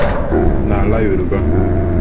N'ala Yoruba